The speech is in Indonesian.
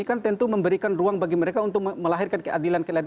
ini kan tentu memberikan ruang bagi mereka untuk melahirkan keadilan keadilan